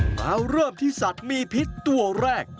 มาเริ่มที่สัตว์มีพิษตัวแรก